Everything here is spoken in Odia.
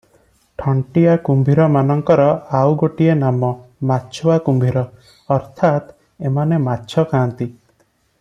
ଥଣ୍ଟିଆକୁମ୍ଭୀର ମାନଙ୍କର ଆଉ ଗୋଟିଏ ନାମ ମାଛୁଆ କୁମ୍ଭୀର, ଅର୍ଥାତ୍ ଏମାନେ ମାଛଖାଆନ୍ତି ।